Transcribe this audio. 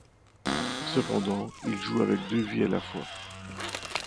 Cependant, il joue avec deux vies à la fois.